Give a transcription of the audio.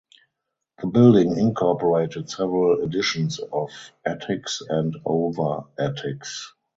The building incorporated several additions of attics and over attics.